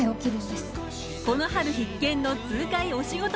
この春必見の痛快お仕事